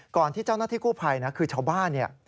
ก่อนที่เจ้านักที่กู้ภัยคือชาวบ้าน